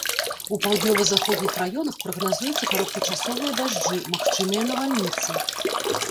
У паўднёва-заходніх раёнах прагназуюцца кароткачасовыя дажджы, магчымыя навальніцы.